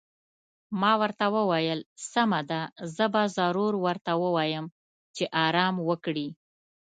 ما ورته وویل: سمه ده، زه به ضرور ورته ووایم چې ارام وکړي.